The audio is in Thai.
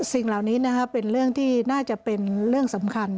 สิ่งเหล่านี้เป็นเรื่องที่น่าจะเป็นเรื่องสำคัญ